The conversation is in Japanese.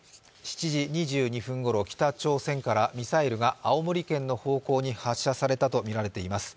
７時２２分ごろ北朝鮮からミサイルが青森県の方向に発射されたとみられています。